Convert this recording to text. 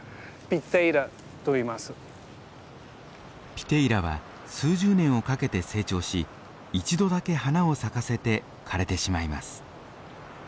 ピテイラは数十年をかけて成長し一度だけ花を咲かせて枯れてしまいます。